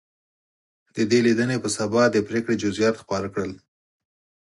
د دې لیدنې په سبا د پرېکړې جزییات خپاره کړل.